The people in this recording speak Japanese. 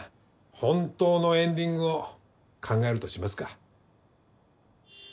本当のエンディングを考えるとしますか。